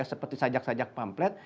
seperti sajak sajak pamplet